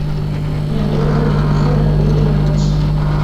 ya joto na ya mvua ya bonde la Amazon